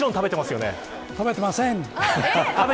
食べてません。